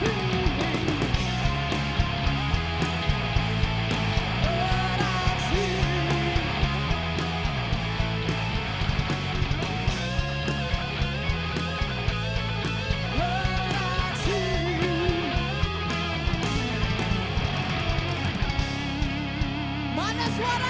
hadirin dipersilahkan duduk kembali